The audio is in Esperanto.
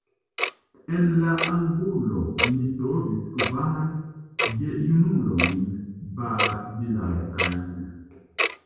En la angulo mi trovis kvar gejunulojn babilantajn.